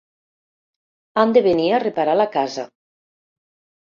Han de venir a reparar la casa.